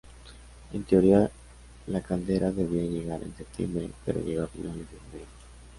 En teoría la caldera debía llegar en septiembre, pero llegó a finales de noviembre.